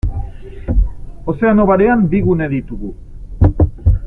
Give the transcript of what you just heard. Ozeano Barean bi gune ditugu.